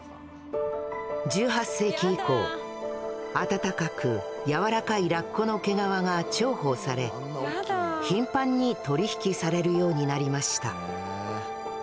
１８世紀以降暖かく柔らかいラッコの毛皮が重宝され頻繁に取り引きされるようになりました